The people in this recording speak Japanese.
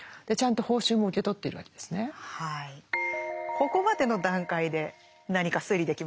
ここまでの段階で何か推理できますか？